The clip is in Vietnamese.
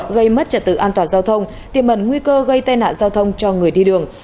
gây mất trật tự an toàn giao thông tiêm ẩn nguy cơ gây tai nạn giao thông cho người đi đường